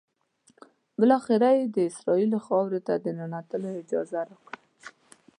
بالآخره یې د اسرائیلو خاورې ته د ننوتلو اجازه راکړه.